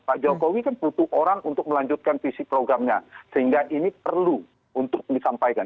pak jokowi kan butuh orang untuk melanjutkan visi programnya sehingga ini perlu untuk disampaikan